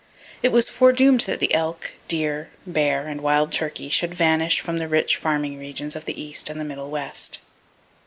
It was foredoomed that the elk, deer, bear and wild turkey should vanish from the rich farming regions of the East and the middle West.